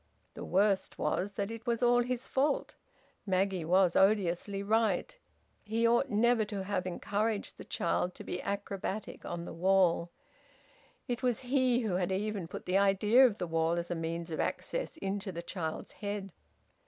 The worst was that it was all his fault. Maggie was odiously right. He ought never to have encouraged the child to be acrobatic on the wall. It was he who had even put the idea of the wall as a means of access into the child's head.